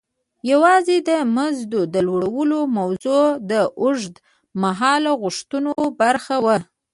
یوازې د مزد د لوړولو موضوع د اوږد مهاله غوښتنو برخه وه.